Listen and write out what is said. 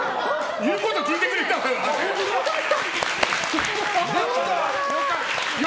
言うこと聞いてくれたわよ。